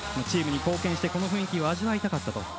チームに貢献してこの雰囲気を味わいたかったと。